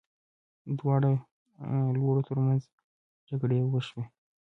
دواړو لورو ترمنځ جګړې وشوې.